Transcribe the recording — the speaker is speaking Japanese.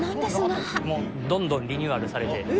「もうどんどんリニューアルされて」